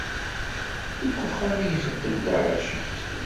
Deg uxxam i ixeddem Dda Racid.